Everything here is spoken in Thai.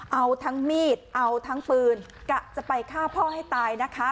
เอาทั้งมีดเอาทั้งปืนกะจะไปฆ่าพ่อให้ตายนะคะ